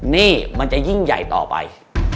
นี่มันจะยิ่งใหญ่ต่อไป